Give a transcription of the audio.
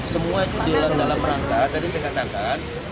semua itu dalam rangka tadi saya katakan